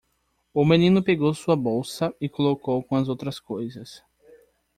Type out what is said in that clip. O menino pegou sua bolsa e colocou com as outras coisas.